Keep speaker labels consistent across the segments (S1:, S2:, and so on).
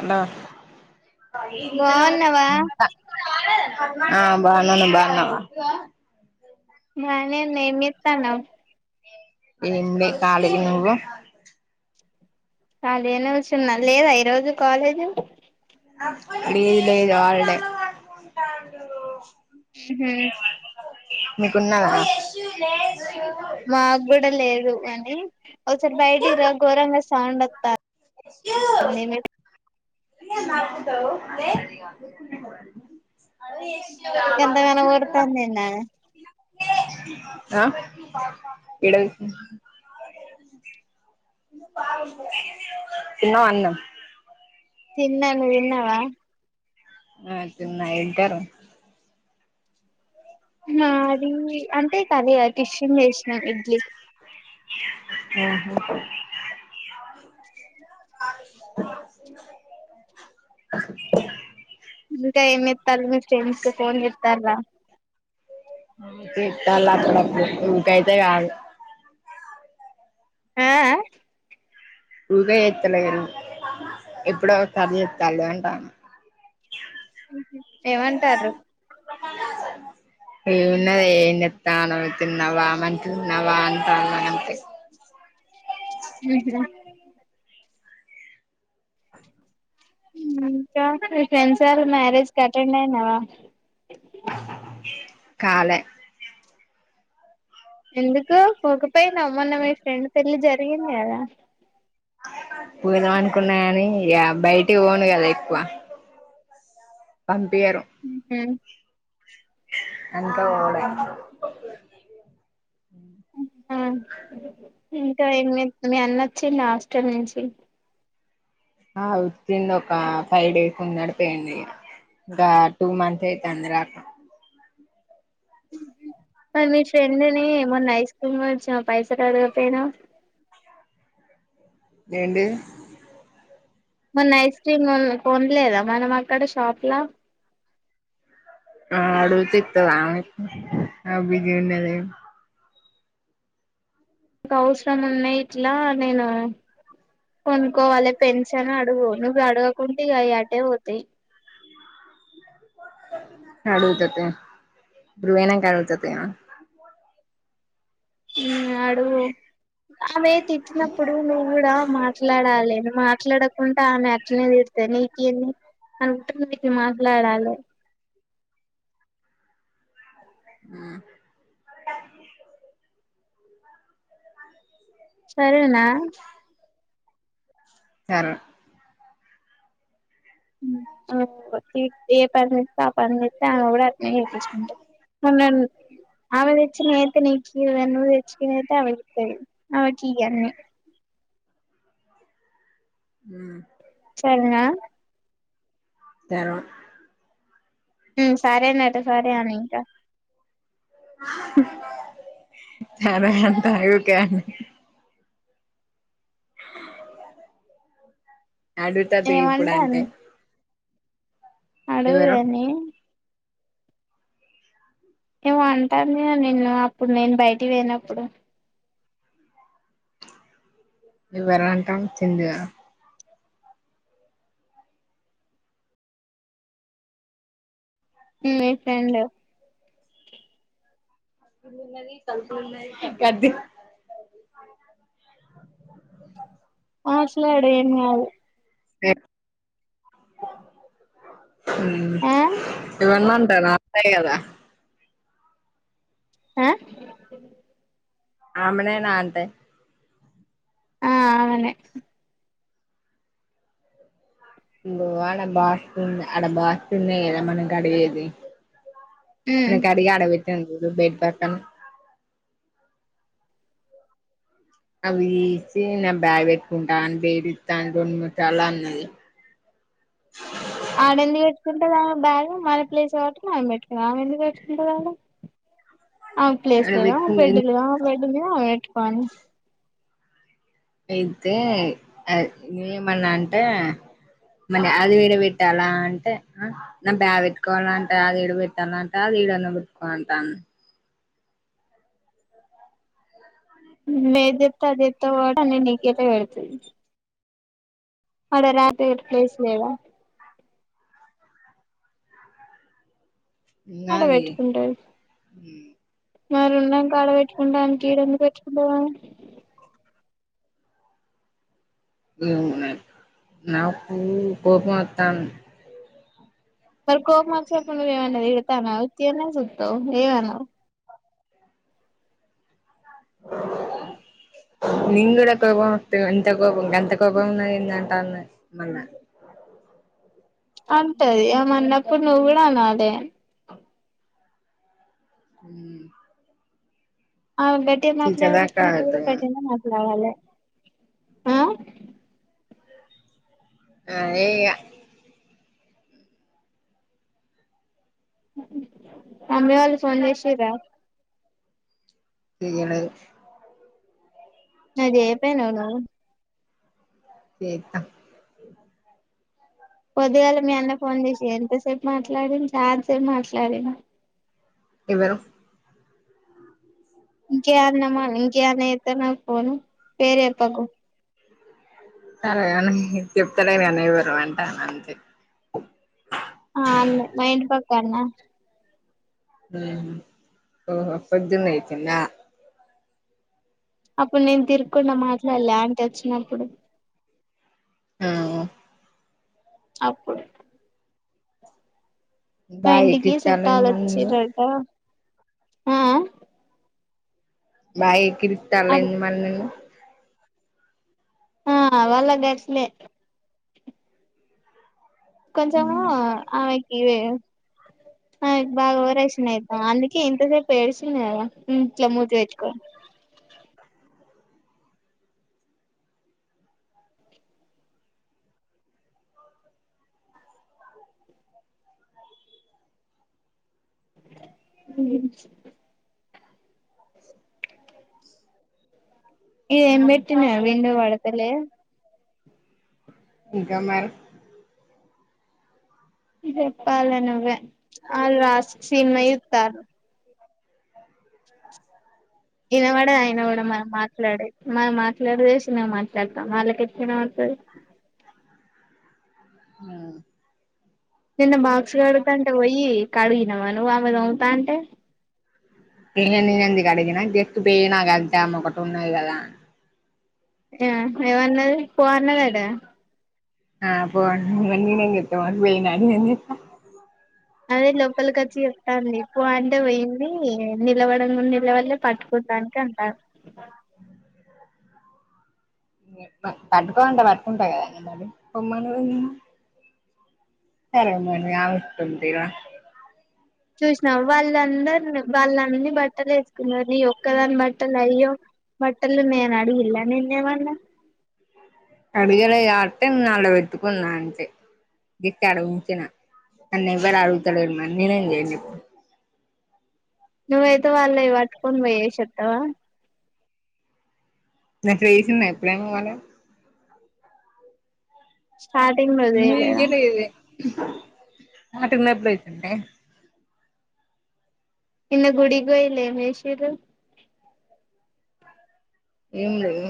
S1: అలో
S2: బాగున్నావా
S1: ఆ బాగున్నాను నువ్వు బాగున్నావా
S2: మీ [unintelligible] నేమ్ చేతన్నవ్
S1: ఏంలే ఖాళీగా నువ్వు
S2: అదేనిల్చన్నా లేదా ఈ రోజు కాలేజు
S1: లేదు లేదు హాలిడే
S2: హమ్
S1: మీకున్నాదా
S2: మాకూడా లేదు అని ఒకసారి బయటికి రా ఘోరంగా సౌండ్ అత్త త్తంది
S1: [inaudible]
S2: గంతగణం ఓరుతంది ఏంది ఆమె
S1: ఆ ఇడ తిన్నవా అన్నం
S2: తిన్నా నువ్వు తిన్నావా
S1: ఆ తిన్నా ఏం కర్రీ
S2: మాది అంటే కర్రీ కాదు టిస్సిన్ చేసినాం ఇడ్లీ
S1: ఆహా
S2: ఇంకా ఏమ్ చేతన్లు మీ ఫ్రెండ్స్ ఫోన్ చేతంన్రా
S1: తింటాన్ల అక్కడ [unintelligible] అయితేకాదు
S2: ఆఆ
S1: బువ్వే ఎత్తలే ఎప్పుడో ఒకసారు చేత్తాన్లు వంట [inaudible]
S2: ఏమంటార్రు
S1: ఏ ఉన్నది ఏం చేతన్నావ్ తిన్నావా మంచిగున్నావా అంటాన్నాంతే
S2: ఉహు ఉమ్ ఇంకా ఫ్రెడ్సలు మ్యారేజ్ అటెండ్ అయినావా
S1: కాలే
S2: ఎందుకు పోకపోయినవ్ మొన్న మీ ఫ్రెండ్ పెళ్లి జరిగింది కదా
S1: పోదాం అనుకున్నా కానీ ఇయ బయటికి పోను కదా ఎక్కువ పంపియారు
S2: ఉహు
S1: ఎన్నడు పోవుడైతదో
S2: హ్మ్మ్ ఇంకా ఏం చేత్ మీ అన్న అచ్చింద హాస్టల్ నుంచి
S1: హ ఆచ్చిండు ఒక ఫైవ్ డేస్ ఉన్నాడు పోయిండు ఇగ ఇంకా టూ మంత్స్ అయితంది రాకా
S2: మరి మీ ఫ్రెండ్ని మొన్న ఐస్ క్రీమ్ కొనిచ్చినవ్ పైసలు అడగకపోయినావ్
S1: ఏంటిది
S2: మొన్న ఐస్ క్రీమ్ కొన్ కొనలేదా మనం అక్కడ షాప్ లా
S1: ఆ అడుగుతే ఇత్తదా ఆమె ఆమ్ బిజీ ఉన్నదైతే
S2: ఇంక అవసరం ఉన్నాయి ఇట్లా నేను కొనుక్కోవాలి పెన్షన్ అడుగు నువ్వు అడగకుంటే ఇక అవి ఆటే పోతాయి
S1: అడుతది గృవణ కడుతుతే
S2: ఉ అడుగు అవే తిట్టినప్పుడు నువ్వు కూడా మాట్లాడాలె మాట్లాడక కుంటా అని అట్నే చూస్తె నీకేమి అనుకుంటు నీటి మాట్లాడాలి
S1: ఉ
S2: సరేన
S1: సర్
S2: ఏ పని చెపై ఆ పని చెప్త ఆమె కూడా అట్ నె జీపి మల్లడుగు ఆవిడొచ్చి ఇక నీకేమి [unintelligible] అడుగుతది నా కీ అని
S1: ఉ
S2: సరెనా
S1: స్తరు
S2: ఉ సరేనట సరే అని ఇంక
S1: సరే అంట అడుగుతది ఇప్పుడు అంటే
S2: ఏమంటాంది అడుగు
S1: ఎవరు
S2: దాన్ని ఏమో అంటాంది నిన్నను అప్పుడు నేను బయటికి పోయినప్పుడు
S1: నువ్వు ఎర్రంటాం వచ్చిందిగా
S2: నీ ఫ్రెండ్
S1: గద్ది
S2: ఆ అస్లు వాడేమ్ కాదు
S1: రె
S2: ఆ
S1: ఈ వన్ మంత్అన్నాయి కదా
S2: ఆ
S1: అమెనా అంటే
S2: ఆ అవునే
S1: ఇబ అడ బాస్ అడ బాస్ ఉందె మనం కడిగేది
S2: ఉమ్
S1: మనకు అడిగా అడ చెట్టుంది బేడ్ ప అవిసి న బ్యాగ్ పెట్టుకుంటా అని బేడి ఇస్తా అని రెండు మూ చాల అన్నది
S2: ఆడ ఎందుకు పెట్టుకుంటాద ఆమె బ్యాగ్ మన ప్లేస్ వాటర్ ఆమె పెట్టుకు ఆమె ఎందుకు పెట్టుకుంటాారు ఆ ఆమెక్ ప్లేస్
S1: ఆడ
S2: లేవా
S1: పెట్టుకుంటే
S2: బెడ్లు లేవా బెడ్డు మీద పెట్టుకో
S1: అయితే నేన్ ఏమన్నా అంటే మనీ అది విడ పెట్టాల అంటే నా బాగ పెట్టుకోవాలంటే అది యాడ పెట్టాలంటే అది ఏడన్న పెట్టుకో అంటాను
S2: నువ్ ఏది చెప్తే అది చేస్తావ్ కాబట్టి అన్ని నీ [unintelligible] అయితే వాడ రాపె ప్లేస్ లేదా ఆడ
S1: ఉన్నది
S2: పెట్టుకుంటారు మరి ఉన్నాంక ఆడ పెట్టకుంటా అని ఈ డెందుకు పెట్టుకుంటావ
S1: ఏమోనె నాకు కోపం వత్తాను
S2: మరి కోపం వస్తే నువ్వు ఏమన్న చేస్తానావ్ తీరన చూస్తవ ఏమ్ అనవు
S1: నేను కూడా కోపం వేస్తే ఇంత కోపం ఎంత కోపం ఉన్నదింటాన్నా మొన్న
S2: అంతే అది ఏమన్నా అన్నప్పుడు నువ్వు కూడా అనాలి.
S1: మ్
S2: ఆ గట్టి గా
S1: టీచర్
S2: మాట్లాడదు
S1: దాకా ఆగుతావా
S2: గట్టిగానే మాట్లాడాల ఆ
S1: అదే ఇగ
S2: మమ్మీ వాళ్ళు ఫోన్ చేసినారా?
S1: ఇక లేదు.
S2: అదే అయిపోయినావు నువ్వు
S1: చేస్తాం
S2: పొద్దిగాల మీ అన్న ఫోన్ చేసి ఎంతసేపు మాట్లాడిన్దు చాలాసేపు మాట్లాడినా
S1: ఎవరో
S2: ఇంకే అన్న అమ్మా ఇంకే అన్న చేత్తారు పేరు చెప్పకు.
S1: సరేగాని చెప్తాలేరు గనే యవరు అంటాను అంతే.
S2: ఆ అన్న మ ఇంంటి పక్కన్నా
S1: ఓహో పొద్దున్నే చేసిండా
S2: అప్పుడు నేను తిరగకుండా మాట్లాడలే ఆంటీ వచ్చినప్పుడు.
S1: ఆ
S2: అప్పుడు
S1: బాగా
S2: మాఇంటికి
S1: ఎక్కిరిత్తాల్లేంది మళ్ళీ నిన్ను
S2: చుట్టాలొచ్చిర్రి అంట మ్
S1: బా క ఇతాాల
S2: అడు
S1: ఎందు మరి [unintelligible]
S2: ఆ వాళ్ళు గట్లే కొంచమ ఆమెకివే బాగా ఓవరాయక్షన్ అందుకే ఇంతసేపు ఏడిచంది ఇట్లా మూతి పెట్టుకొని ఏం ఇది ఏం పెట్టినావు విండో పడతలే
S1: ఇంకా మేడం.
S2: చెప్పాల నువ్వే వాళ్ళా సినిమా చూస్తాన్నారు. వినపడనే వినపడదు మనం మాట్లాడేది మన మాట ఇంత సిన్నగా మాట్లాడతాం వాళ్ళకి ఎట్లా వినపడుతుంది.
S1: మ్
S2: నిన్న బాక్స్ కడుగుతాంటే పోయి కడిగినావు నువ్వు ఆమె దూముతాంటే
S1: గిన్నెలన్నీ కడిగినా గట్టు పెయినా గద్దామె ఒకటి ఉన్నది కదా?
S2: ఆ ఏవన్నది పోన్నదట కదా
S1: ఆ పో అన్నాక ఇవన్నీ ఏం చెప్పుతాం ఆటికి పోయినాకా
S2: అదే లోపలికి వచ్చి చెప్తాంది పో అంటే పోయింది నిలబడను కూడా నిలబడ లేదు. పట్టుకోడానికి అంటారు
S1: పడుకో అంటే పడుకుంటా కదా పొమ్మంది కదా సరే మరి ఆవిడ ఉంటుంది గా
S2: చూసినావా వాళ్ళందరూ వాళ్ళన్నీ బట్టలు వేసుకున్నారు. నీ ఒక్కదాని బట్టలు అయ్యో బట్టలు ఉన్నాయా అని అడిగిందా నిన్నేమన్నా.
S1: కడగాలే అంటే అందులో పెట్టుకున్నా అంతే ఇంకేడా ఊరికేనా నన్నెవరూ అడుగుతాలేదు నేనేం చేయను చెప్పు
S2: నువ్వేయితే వాళ్ళుయి పట్టుకొని పోయి వేసివత్తవ
S1: [unintelligible] న ఫ్రేస్న్న్నా ఎప్పుడే పోాల
S2: స్టార్టింగ్ లో
S1: ఇన్న
S2: చేయలేదా
S1: ఇకలేే నాటింద ఎప్పుడుచ్చంటే [unintelligible]
S2: నిన్న గుడికి పోయిర్రు ఏమ్ చేసిర్రు
S1: ఏం లేదు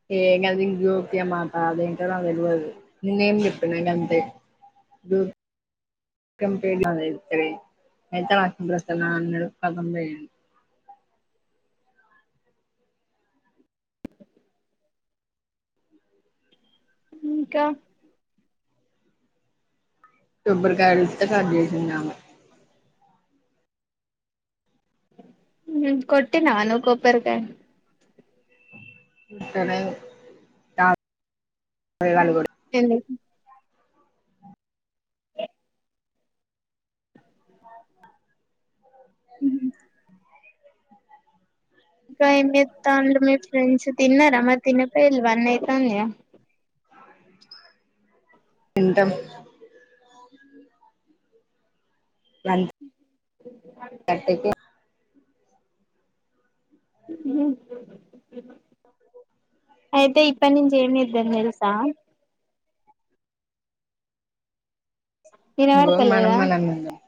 S1: [unintelligible] ఏ కద ఇం జ్యోతి అమాట అదేంటో నాకు తెలియదు నేన్న ఏం చెప్పినా గంతే జో క ఇ అతస్ నె [unintelligible]
S2: ఇంకా
S1: కొబ్బరికాయలు ఇస్తే కట్ చేసింది ఆమె
S2: కొట్టినవ నువ్వు కొబ్బరికాయ
S1: [unintelligible]
S2: ఎందు [unintelligible] హు హమ్ ఇంకా ఎం చేస్తాళ్ళు మీ ఫ్రెండ్స్ తిన్నారా మరి తినపోయిళ్లు వన్ అయితందిగా
S1: తింటాం వన్ థర్టీ కి
S2: హమ్ అయితే ఇప్పటి నుంచి ఏమి చేద్దాం తెలుసా
S1: ఇగో
S2: వినాబడతలేద
S1: మనం మనం ఉన్నాం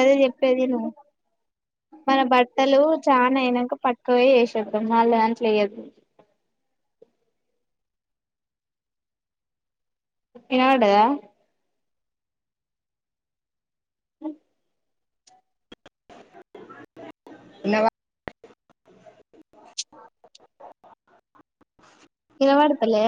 S2: అదే చెప్పేది విను మన బట్టలు చాన అయినాక పక్కుపోయి వేసేద్దాం వాళ్ళ దాంట్లో వయద్దు వినబడ్డదా హ
S1: వినవ
S2: వినబడతలే